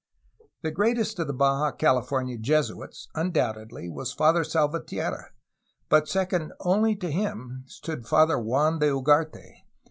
The greatest of the Baja California Jesuits, undoubtedly, was Father Salvatierra, but second only to him stood Father Juan de Ugarte.